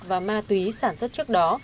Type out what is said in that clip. và ma túy sản xuất trước đó